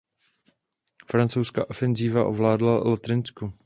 Francouzská ofenzíva ovládla Lotrinsko.